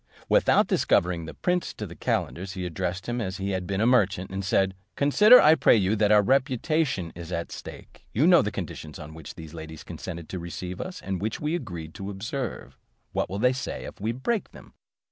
Without discovering the prince to the calenders, he addressed him as if he had been a merchant, and said, "Consider, I pray you, that our reputation is at stake. You know the conditions on which these ladies consented to receive us, and which we agreed to observe; what will they say of us if we break them?